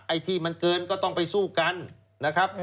ไอ้ที่มันเกินก็ต้องไปสู้กันนะครับ